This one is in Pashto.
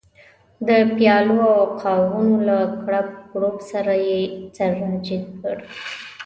د پیالو او قابونو له کړپ کړوپ سره یې سر را جګ کړ.